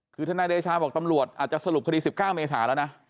คือทนายเดชาบอกตำรวจอาจจะสรุปคดี๑๙เมษาแล้วนะ